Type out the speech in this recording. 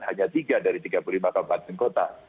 hanya tiga dari tiga puluh lima kabupaten kota